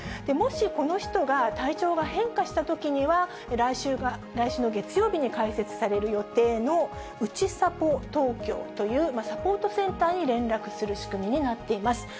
もしこの人が体調が変化したときには、来週の月曜日に開設される予定のうちさぽ東京という、サポートセンターに連絡する仕組みになっています。